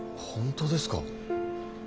本当ですか。